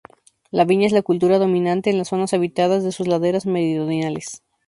La viña es la cultura dominante en las zonas habitadas de sus laderas meridionales.